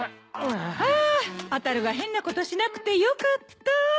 ああたるが変なことしなくてよかった。